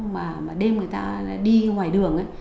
mà đêm người ta đi ngoài đường